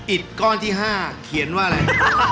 ก้อนที่๕เขียนว่าอะไร